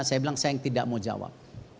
saya bilang saya yang tidak mau jawab